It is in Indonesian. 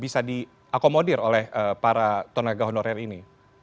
bisa diakomodir oleh para tenaga honorer ini